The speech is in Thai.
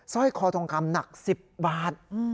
ร้อยคอทองคำหนัก๑๐บาท